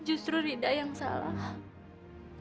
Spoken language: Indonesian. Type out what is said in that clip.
justru lida yang salah